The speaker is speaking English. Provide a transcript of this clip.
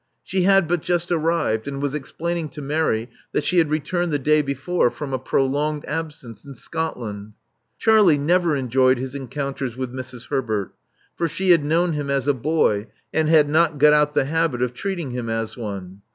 She had but just arrived, and was explaining to Mary that she had returned the day before from a prolonged absence in Scotland. Charlie never enjoyed his encounters with Mrs. Herbert; for she had known him as a boy, and had not yet got out the habit of treating him as one.